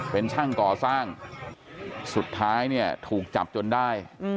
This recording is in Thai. เป็นช่างก่อสร้างสุดท้ายเนี่ยถูกจับจนได้